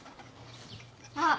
あっ。